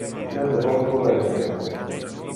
Prende bon cura de Peter.